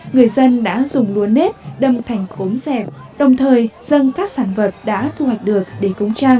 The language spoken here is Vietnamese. người dân đã dùng lúa nết đâm thành khốn sẹp đồng thời dân các sản vật đã thu hoạch được để cống trăng